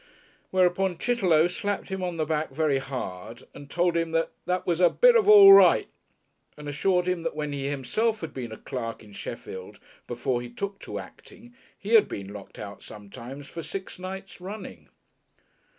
Whereupon Chitterlow slapped him on the back very hard and told him that was a "Bit of All Right," and assured him that when he himself had been a clerk in Sheffield before he took to acting he had been locked out sometimes for six nights running.